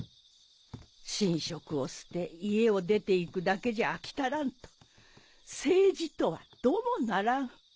神職を捨て家を出て行くだけじゃ飽き足らんと政治とはどもならん。